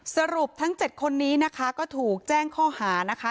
สรุปทั้ง๗คนนี้นะคะก็ถูกแจ้งข้อหานะคะ